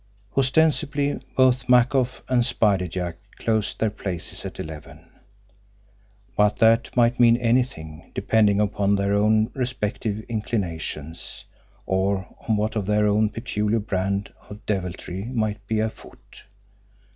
Ostensibly both Makoff and Spider Jack closed their places at eleven. But that might mean anything depending upon their own respective inclinations, or on what of their own peculiar brand of deviltry might be afoot.